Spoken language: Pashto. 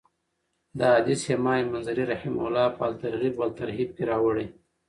دا حديث امام منذري رحمه الله په الترغيب والترهيب کي راوړی .